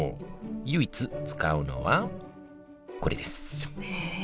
唯一使うのはこれですへえ！